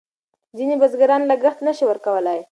ځینې بزګران لګښت نه شي ورکولای.